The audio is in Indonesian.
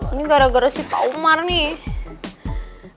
ini gara gara si pak umar nih